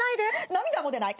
涙も出ない。